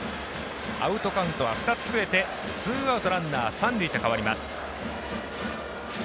アウトカウントは２つ増えてツーアウト、ランナー、三塁と変わります。